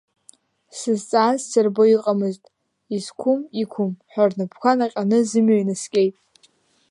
Сзызҵааз сырбо иҟамызт, изқәым иқәым ҳәа рнапқәа наҟьаны зымҩа инаскьеит…